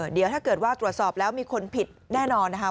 เดี๋ยวถ้าเกิดว่าตรวจสอบแล้วมีคนผิดแน่นอนนะคะ